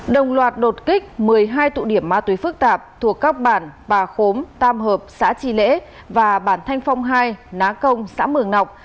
đồng loạt đột kích một mươi hai tụ điểm ma túy phức tạp thuộc các bản bà khốm tam hợp xã tri lễ và bản thanh phong hai ná công xã mường nọc